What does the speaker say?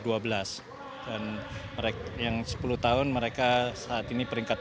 dan yang sepuluh tahun mereka saat ini peringkatnya